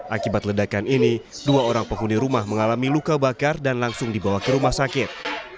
akibat ledakan ini dua orang penghuni rumah mengalami luka bakar dan langsung dibawa ke rumah sakit